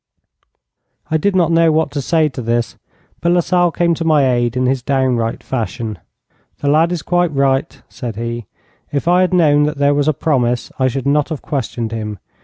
I did not know what to say to this, but Lasalle came to my aid in his downright fashion. 'The lad is quite right,' said he. 'If I had known that there was a promise I should not have questioned him.